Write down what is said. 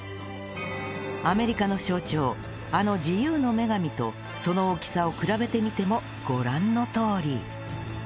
アメリカの象徴あの自由の女神とその大きさを比べてみてもご覧のとおり